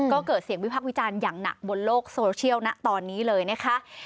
ก็เกิดเสียงวิพักษ์วิจารณ์อย่างหนักบนโลกโซเชียลนะตอนนี้เลยนะคะ